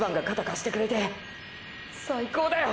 最高だよ！！